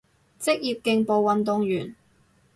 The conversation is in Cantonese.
職業競步運動員